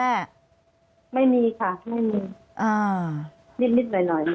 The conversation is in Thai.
อันดับที่สุดท้าย